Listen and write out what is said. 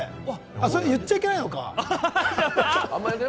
それ言っちゃいけないのか！